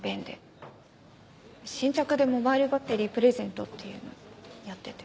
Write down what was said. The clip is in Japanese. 先着でモバイルバッテリープレゼントっていうのをやってて。